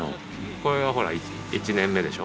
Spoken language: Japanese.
これはほら１年目でしょ。